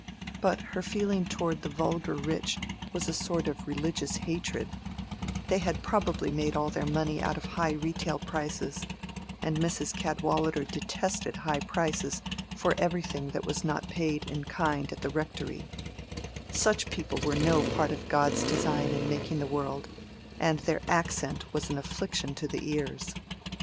But her feeling towards the vulgar rich was a sort of religious hatred: they had probably made all their money out of high retail prices, and Mrs. Cadwallader detested high prices for everything that was not paid in kind at the Rectory: such people were no part of God's design in making the world; and their accent was an affliction to the ears.